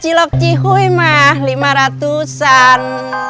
cilok cihuy mah lima ratusan